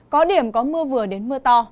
có điểm có mưa vừa đến mưa to